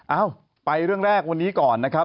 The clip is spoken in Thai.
เอ้าไปเรื่องแรกวันนี้ก่อนนะครับ